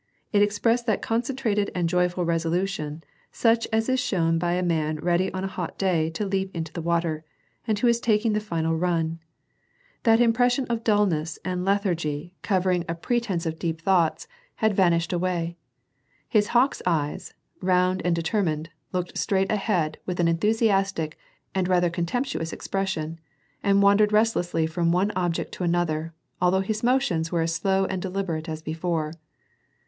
It expressed that concen trated and joyful resolution such as is shown by a man ready on a hot day to leap into the water, and who is taking the final ^un. That impression of dulness and lethargy covering a pre 218 ^AR AND PEACE. tence of deep thouglits, had vauislied quite away. His hawk's eyes, round and determined, looked straight ahead with an enthusiastic and rather contemptuous expression, and wandered restlessly from one object to another, although his motions were as slow and deliberate as before.